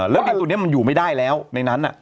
แล้วเงินตัวนี้มันอยู่ไม่ได้แล้วในนั้น